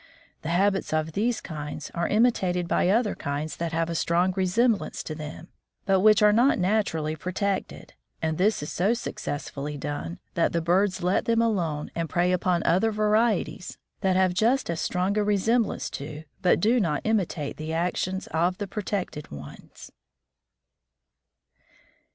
The habits of these kinds are imitated by other kinds that have a strong resemblance to them, but which are not naturally protected, and this is so successfully done that the birds let them alone and prey upon other varieties that have just as strong a resemblance to, but do not imitate the actions of the protected ones."